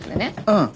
うん。